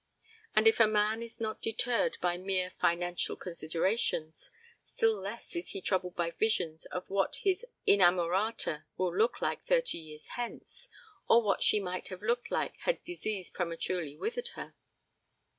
And if a man is not deterred by mere financial considerations, still less is he troubled by visions of what his inamorata will look like thirty years hence or what she might have looked like had disease prematurely withered her.